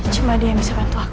cuma dia yang bisa bantu aku